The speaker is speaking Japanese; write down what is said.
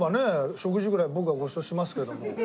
食事ぐらい僕がごちそうしますけども。